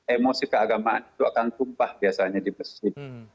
emosi keagamaan itu akan tumpah biasanya di masjid